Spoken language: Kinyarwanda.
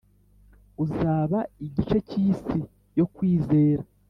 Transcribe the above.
uzaba igice cyisi yo kwizera